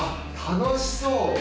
楽しそう。